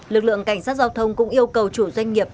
lực lượng cảnh sát giao thông cũng yêu cầu chủ doanh nghiệp